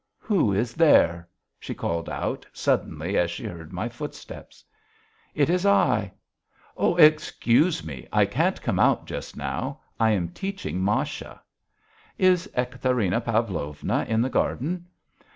Who is there?" she called out suddenly as she heard my footsteps. "It is I." "Oh! excuse me. I can't come out just now. I am teaching Masha." "Is Ekaterina Pavlovna in the garden?"